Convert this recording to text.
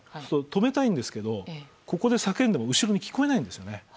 止めたいんですけどここで叫んでも、後ろには聞こえないんですね。